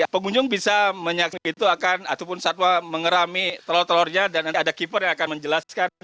pengunjung bisa menyaksikan itu akan ataupun satwa mengerami telur telurnya dan nanti ada keeper yang akan menjelaskan